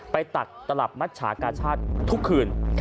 ตักตลับมัชชากาชาติทุกคืน